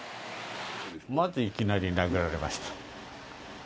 まず、いきなり殴られました。